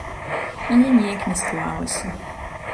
Але неяк не склалася.